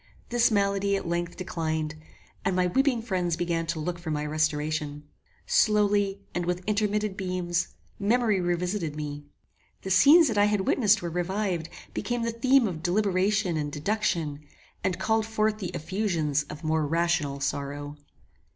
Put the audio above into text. This malady, at length, declined, and my weeping friends began to look for my restoration. Slowly, and with intermitted beams, memory revisited me. The scenes that I had witnessed were revived, became the theme of deliberation and deduction, and called forth the effusions of more rational sorrow.